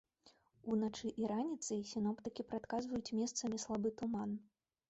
Уначы і раніцай сіноптыкі прадказваюць месцамі слабы туман.